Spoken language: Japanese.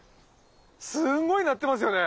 すごいなってますよね！